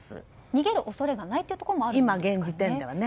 逃げる恐れがないというところもあるんですかね。